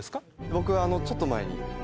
僕あのちょっと前に。